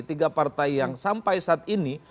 tiga partai yang sampai saat ini